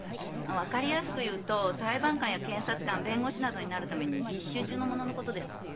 分かりやすく言うと裁判官や検察官弁護士などになるために実習中の者のことです。